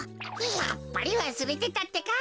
やっぱりわすれてたってか。